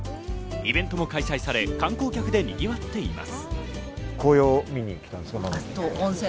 イベントも開催され、観光客でにぎわっています。